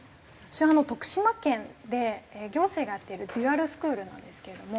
私徳島県で行政がやっているデュアルスクールなんですけれども。